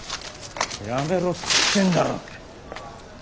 やめろっつってんだろ！